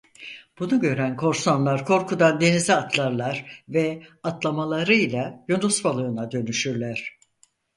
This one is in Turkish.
Bunu gören korsanlar korkudan denize atlarlar ve atlamalarıyla yunus balığına dönüşürler.